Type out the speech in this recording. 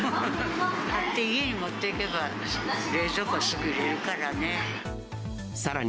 買って家に持っていけば、冷蔵庫にすぐ入れるからね。